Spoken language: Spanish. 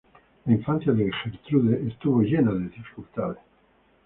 La infancia de Gertrude estuvo llena de dificultades.